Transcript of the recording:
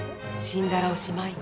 「死んだらおしまい」